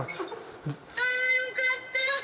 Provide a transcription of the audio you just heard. あー、よかった。